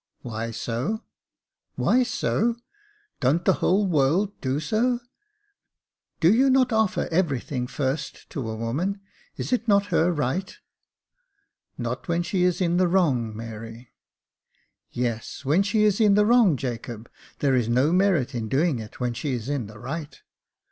"Why so?" *' Why so ! don't the whole world do so ? Do you not offer everything first to a woman ? Is it not her right ?'*" Not when she is in the wrong, Mary." Yes, when she is in the wrong, Jacob 5 there's no merit in doing it when she's in the right."